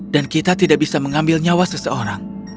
dan kita tidak bisa melakukan hal yang tidak mereka ingin seperti jatuh cinta